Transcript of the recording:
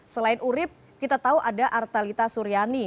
selain urib kita tahu ada artalita suryani